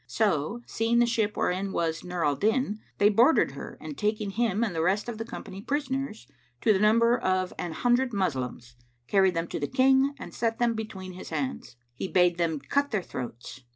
So, seeing the ship wherein was Nur al Din they boarded her and taking him and the rest of the company prisoners, to the number of an hundred Moslems, carried them to the King and set them between his hands. He bade cut their throats.